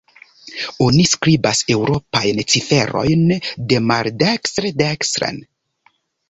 Oni skribas eŭropajn ciferojn demaldekstre-dekstren.